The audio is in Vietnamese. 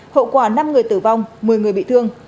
hậu quả năm người tử vong một mươi người bị thương